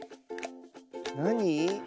なに？